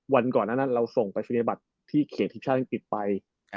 วันก่อนหน้านั้นเราส่งไฟเซียบัตรที่เขียนทีมชาติอังกฤษไป